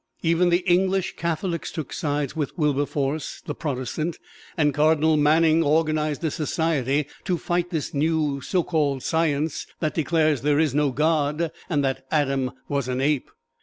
Even the English Catholics took sides with Wilberforce, the Protestant, and Cardinal Manning organized a society "to fight this new, so called science that declares there is no God and that Adam was an ape."